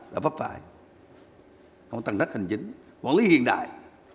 hiện đại không tầng đất hành chính quản lý hiện đại